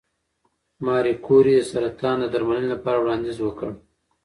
ماري کوري د سرطان د درملنې لپاره وړاندیزونه وکړل.